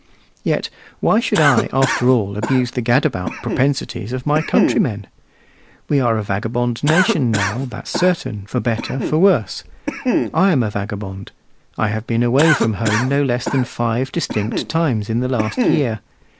Yet why should I, after all, abuse the gadabout propensities of my countrymen? We are a vagabond nation now, that's certain, for better for worse. I am a vagabond; I have been away from home no less than five distinct times in the last year.